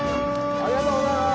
ありがとうございます！